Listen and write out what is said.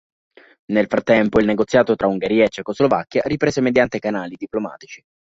Nel frattempo, il negoziato tra Ungheria e Cecoslovacchia riprese mediante canali diplomatici.